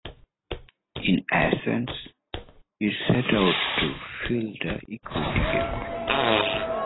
In essence it set out to fill the 'equity gap'.